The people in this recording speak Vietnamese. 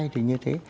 thì như thế